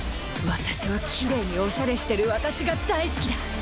私はきれいにおしゃれしてる私が大好きだ。